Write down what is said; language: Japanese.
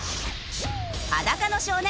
『裸の少年』